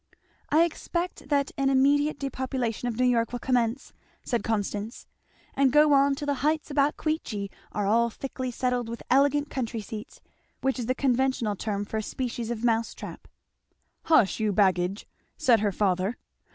"I expect that an immediate depopulation of New York will commence," said Constance, "and go on till the heights about Queechy are all thickly settled with elegant country seats, which is the conventional term for a species of mouse trap!" "Hush, you baggage!" said her father.